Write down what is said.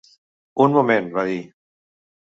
"Un moment", va dir.